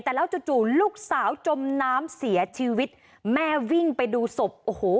แต่แล้วจู่จู่ลูกสาวจมน้ำเสียชีวิตแม่วิ่งไปดูศพโอ้โห